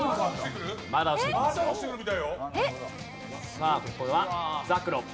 さあこれはざくろ。